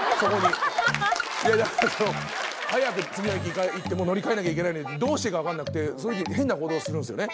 早く次の駅行って乗り換えなきゃいけないのにどうしていいか分かんなくてそういう時変な行動するんすね。